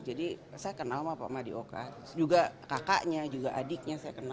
jadi saya kenal pak madyoka juga kakaknya juga adiknya saya kenal